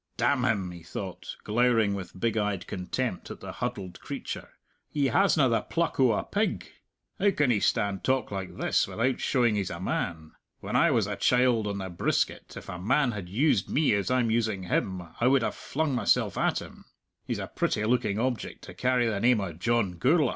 "Damn him!" he thought, glowering with big eyed contempt at the huddled creature; "he hasna the pluck o' a pig! How can he stand talk like this without showing he's a man? When I was a child on the brisket, if a man had used me as I'm using him, I would have flung mysell at him. He's a pretty looking object to carry the name o' John Gourla'!